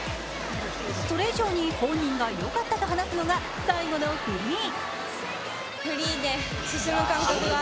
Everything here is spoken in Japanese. それ以上に本人がよかったと話すのが最後のフリー。